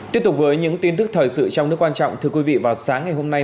tiếp tục với những tin tức thời sự trong nước quan trọng thưa quý vị vào sáng ngày hôm nay